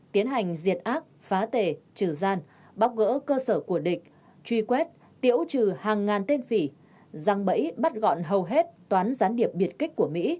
tiến hành diệt ác phá tề trừ gian bóc gỡ cơ sở của địch truy quét tiễu trừ hàng ngàn tên phỉ răng bẫy bắt gọn hầu hết toán gián điệp biệt kích của mỹ